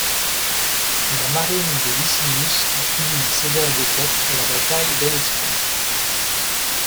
La marine de Licinius a subi une sévère défaite à la bataille de l'Hellespont.